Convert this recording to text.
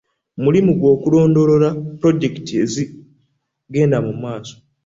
Mulimu gwe okulondoola pulojekiti ezigenda mu maaso.